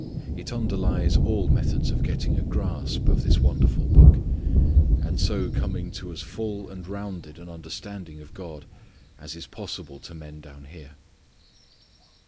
It underlies all methods of getting a grasp of this wonderful Book, and so coming to as full and rounded an understanding of God as is possible to men down here.